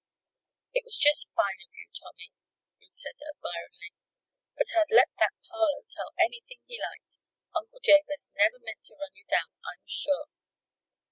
"It was just fine of you, Tommy," Ruth said, admiringly. "But I'd let that Parloe tell anything he liked. Uncle Jabez never meant to run you down, I'm sure."